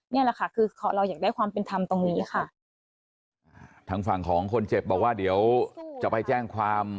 นี่แหละค่ะคือเขาเราอยากได้ความเป็นธรรมตรงนี้ค่ะอ่าทางฝั่งของคนเจ็บบอกว่าเดี๋ยวจะไปแจ้งความ